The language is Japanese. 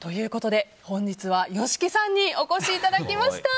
本日はＹＯＳＨＩＫＩさんにお越しいただきました。